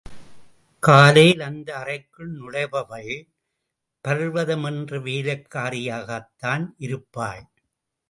காலையில் அந்த அறைக்குள் நுழைபவள் பர்வதம் என்ற வேலைக்காரியாகத்தான் இருப்பாள்.